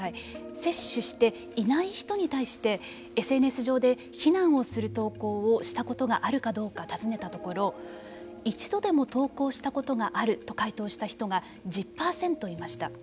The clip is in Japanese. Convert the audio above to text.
接種していない人に対してＳＮＳ上で非難をする投稿をしたことがあるかどうか尋ねたところ一度でも投稿したことがあると回答した人が１０％いました。